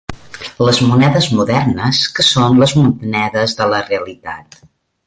Les monedes modernes, que són les monedes de la realitat